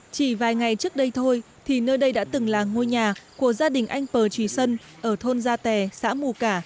chỉ vài ngày trước đây thôi thì nơi đây đã từng là ngôi nhà của gia đình anh pờ trừ sân ở thôn gia tè xã mù cả